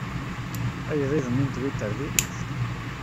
Agḍiḍ-nni n Twitter diri-t.